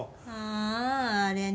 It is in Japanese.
あああれね。